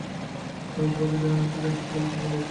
আমি তোমাকে যাহা শিখাইয়া দিয়াছিলাম তাহা বলিয়াছিলে?